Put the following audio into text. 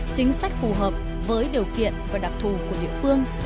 chính sách phù hợp với điều kiện và đặc thù của địa phương